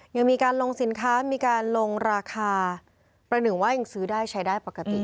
ยังมีการลงสินค้ามีการลงราคาประหนึ่งว่ายังซื้อได้ใช้ได้ปกติ